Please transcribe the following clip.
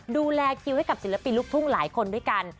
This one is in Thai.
ดูแลคิวให้กับศิลปินลูกทุ่งหลายคนด้วยกัน